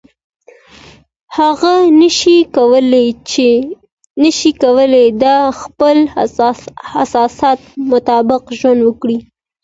هغه نشي کولای د خپل احساس مطابق ژوند وکړي.